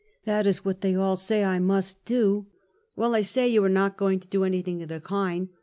"" That is what they all say I must do !"" "Well, I say you are not going to do anything of the kind!"